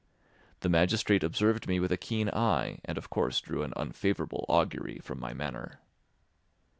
The magistrate observed me with a keen eye and of course drew an unfavourable augury from my manner.